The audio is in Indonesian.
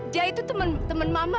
dia itu temen temen mama